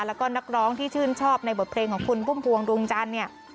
แล้วก็นักร้องที่ชื่นชอบในบทเพลงของคุณพุ่มพวงดวงจันทร์เนี่ย